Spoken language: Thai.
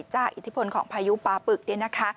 จากอิทธิพลของพายุปลาปึก